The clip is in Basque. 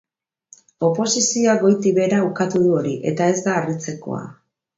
Oposizioak goitik behera ukatu du hori, eta ez da harritzekoa.